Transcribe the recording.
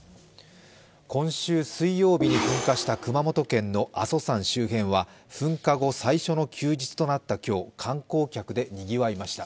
今週水曜日に噴火した熊本県の阿蘇山周辺は噴火後、最初の休日となった今日、観光客でにぎわいました。